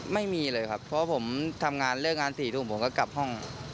ไม่มีเลยครับเพราะผมทำงานเลิกงาน๔ทุ่มผมก็กลับห้อง